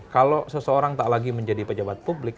kalau seseorang tak lagi menjadi pejabat publik